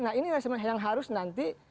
nah ini yang harus nanti